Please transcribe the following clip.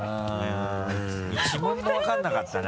１問もわからなかったな。